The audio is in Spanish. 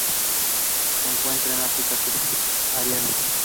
Se encuentran en África subsahariana.